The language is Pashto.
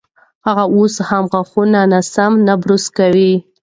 هغه اوس هم غاښونه ناسم نه برس کوي.